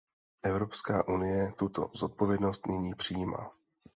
Evropská unie tuto zodpovědnost nyní přijímá.